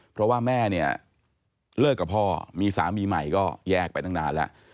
เพราะว่าแม่เนี่ยเลิกกับพ่อมีสามีใหม่ก็แยกไปตั้งนานแล้ว